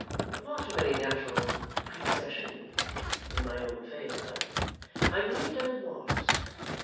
Apart from any natural prepossession in my own favour, I believed I was.